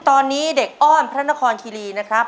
ตอนนี้เด็กอ้อนพระนครคิรีนะครับ